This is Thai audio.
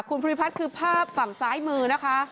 คุณภูริพัฒน์คือภาพฝั่งซ้ายมือนะคะ